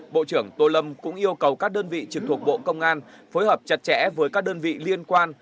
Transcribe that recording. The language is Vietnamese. bộ trưởng tô lâm cũng yêu cầu các đơn vị trực thuộc bộ công an phối hợp chặt chẽ với các đơn vị liên quan